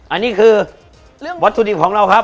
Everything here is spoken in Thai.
อันนี้คือเรื่องวัตถุดิบของเราครับ